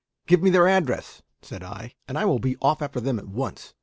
"Give me their address," said I, "and I will be off after them at once.